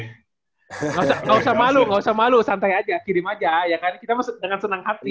nggak usah malu nggak usah malu santai aja kirim aja ya kan kita masuk dengan senang hati